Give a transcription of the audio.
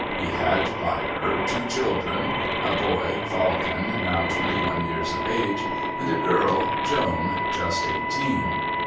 He had by her two children, a boy, Falcon, now twenty one years of age, and a girl, Joan, just eighteen.